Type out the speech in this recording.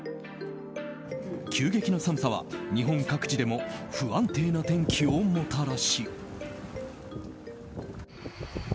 急激な寒さは日本各地でも不安定な天気をもたらし。